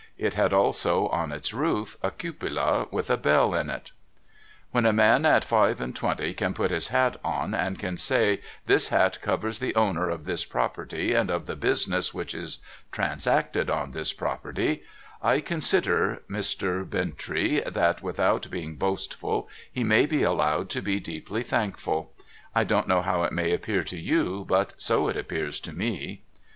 It had also, on its roof, a cupola with a bell in it. THE MAN OF PROPERTY AND MAN OF LAW 477 'When a man at five and twenty can put his hat on, and can say " this hat covers the owner of this property and of the business which is transacted on this property," I consider, Mr. Bintrey, that, without being boastful, he may be allowed to be deeply thankful. I don't know how it may appear to you, but so it appears to me.'